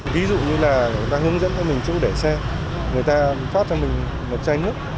ví dụ như là người ta hướng dẫn cho mình chữ để xe người ta phát cho mình một chai nước